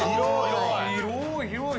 広い。